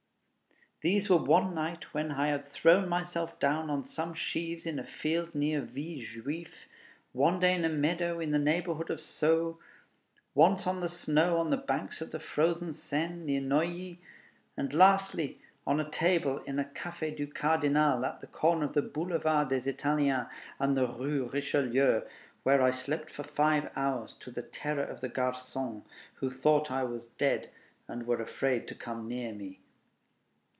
These were one night when I had thrown myself down on some sheaves in a field near Ville Juif; one day in a meadow in the neighborhood of Sceaux; once on the snow on the banks of the frozen Seine, near Neuilly; and lastly, on a table in the Café du Cardinal at the corner of the Boulevard des Italiens and the Rue Richelieu, where I slept for five hours, to the terror of the garçons, who thought I was dead and were afraid to come near me.